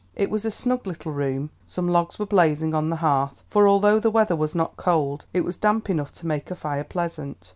It was a snug little room; some logs were blazing on the hearth, for although the weather was not cold, it was damp enough to make a fire pleasant.